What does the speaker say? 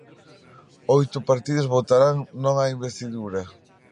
Oito partidos votarán non á investidura.